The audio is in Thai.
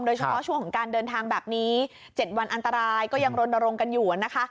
โดยเฉพาะช่วงของการเดินทางแบบนี้๗วันอันตรายก็ยังรณรงค์กันอยู่นะคะ